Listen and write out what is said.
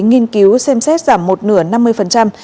nghiên cứu xem xét giảm một nửa năm mươi